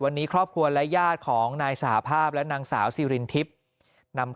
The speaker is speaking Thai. วันนี้ครอบครัวและญาติของนายสหภาพและนางสาวซีรินทิพย์นำ